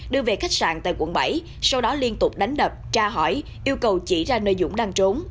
đưa về khách sạn tại quận bảy sau đó liên tục đánh đập tra hỏi yêu cầu chỉ ra nơi dũng đang trốn